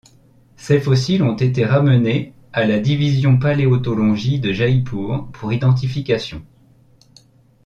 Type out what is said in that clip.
Ces fossiles ont été ramenés à la Division Paléontologie de Jaipur pour identification.